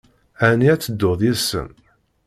Ɛni ad tedduḍ yid-sen?